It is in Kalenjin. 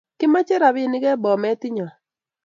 Kimache rapinik en Bomet inyon